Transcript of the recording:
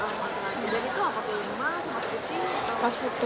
itu apa lima mas putih